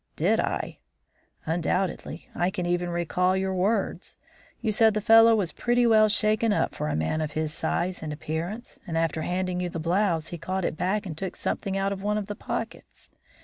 "Did I?" "Undoubtedly; I can even recall your words. You said the fellow was pretty well shaken up for a man of his size and appearance, and after handing you the blouse he caught it back and took something out of one of the pockets.